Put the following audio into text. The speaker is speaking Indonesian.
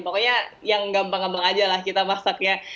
pokoknya yang gampang gampang aja lah kita masak ya